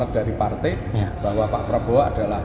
alhamdulillah terima kasih